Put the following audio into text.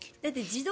自動？